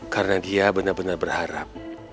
karena dia benar benar berharap